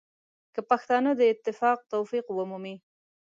که پښتانه د اتفاق توفیق ومومي.